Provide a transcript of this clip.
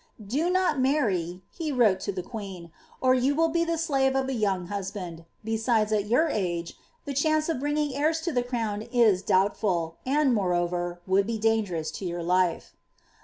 ^ Do not marry," he wrote to the queen, ^ or you will be the slave of a young huslmnd ; besides, at your age, the chance of bringing heirs to the crown is doubtful, and, moreover, would be dangerous to your life."